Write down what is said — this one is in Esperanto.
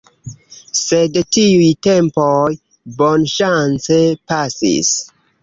Sed tiuj tempoj bonŝance pasis.